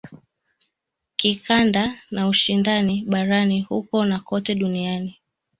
kikanda na ushindani barani huko na kote duniani